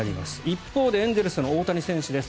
一方でエンゼルスの大谷選手です。